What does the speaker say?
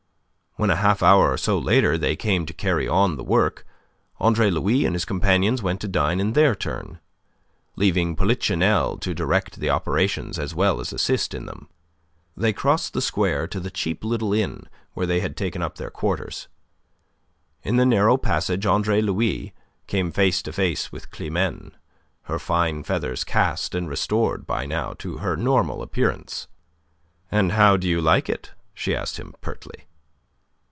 When a half hour or so later they came to carry on the work, Andre Louis and his companions went to dine in their turn, leaving Polichinelle to direct the operations as well as assist in them. They crossed the square to the cheap little inn where they had taken up their quarters. In the narrow passage Andre Louis came face to face with Climene, her fine feathers cast, and restored by now to her normal appearance. "And how do you like it?" she asked him, pertly.